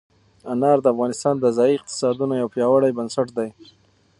انار د افغانستان د ځایي اقتصادونو یو پیاوړی بنسټ دی.